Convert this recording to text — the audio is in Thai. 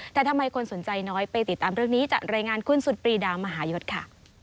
แต่ทำไมคนสนใจน้อยไปติดตามเรื่องนี้จากรายงานคุณสุดปรีดามหายศค่ะ